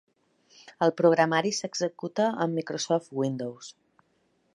El programari s'executa a Microsoft Windows.